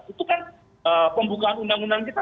itu kan pembukaan undang undang kita